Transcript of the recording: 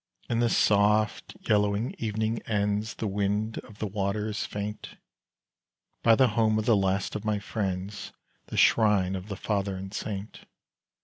In the soft yellow evening ends, The wind of the water is faint By the home of the last of my friends The shrine of the father and saint.